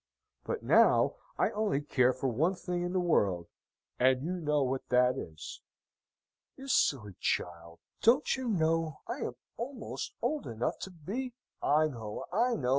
But now, I only care for one thing in the world, and you know what that is." "You silly child! don't you know I am almost old enough to be...?" "I know I know!